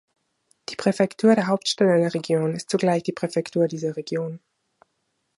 Die Präfektur der Hauptstadt einer Region ist zugleich die Präfektur dieser Region.